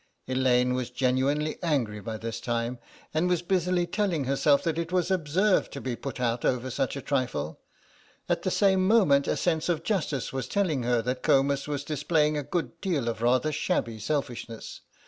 Elaine was genuinely angry by this time, and was busily telling herself that it was absurd to be put out over such a trifle; at the same moment a sense of justice was telling her that Comus was displaying a good deal of rather shabby selfishness.